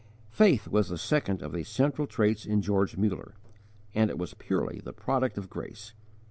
Faith was the second of these central traits in George Muller, and it was purely the product of grace.